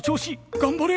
頑張れ！